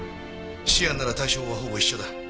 シアンなら対処法はほぼ一緒だ。